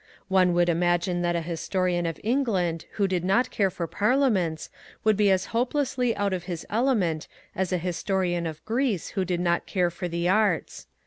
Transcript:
One would imagine that a historian of England who did not care for Parliaments would be as hopelessly out of his element as a historian of Greece who did not care for the arts.